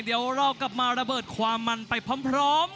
เดี๋ยวเรากลับมาระเบิดความมันไปพร้อม